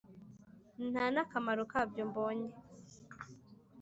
nta n’akamaro kabyo mbonye